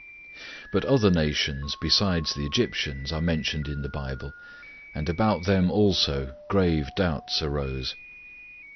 But other nations besides the Egyptians are mentioned in the Bible; and about them also grave doubts arose.